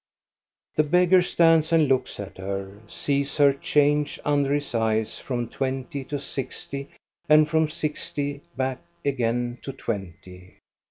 The beggar stands and looks at her, sees her change under his eyes from twenty to sixty, and from sixty back again to twenty.